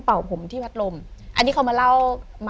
อเรนนี่แกร่งอเรนนี่แกร่ง